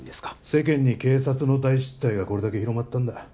世間に警察の大失態がこれだけ広まったんだ